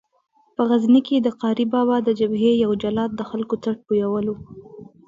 په غزني کې د قاري بابا د جبهې یو جلاد د خلکو څټ بویولو.